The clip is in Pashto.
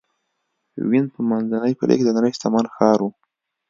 وینز په منځنۍ پېړۍ کې د نړۍ شتمن ښار و